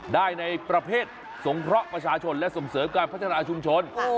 ได้ในประเภทสงเคราะห์ประชาชนและส่งเสริมการพัฒนาชุมชน